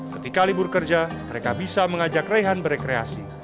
ketika libur kerja mereka bisa mengajak rehan berekreasi